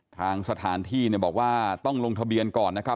ทางสถานที่เนี่ยบอกว่าต้องลงทะเบียนก่อนนะครับ